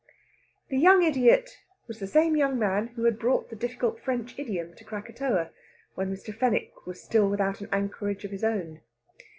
The young idiot was the same young man who had brought the difficult French idiom to Krakatoa, while Mr. Fenwick was still without an anchorage of his own.